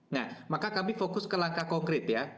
nah maka kami fokus ke langkah konkret ya